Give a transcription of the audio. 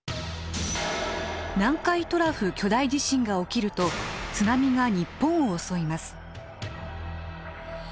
南海トラフ巨大地震が起きると津波が日本を襲います。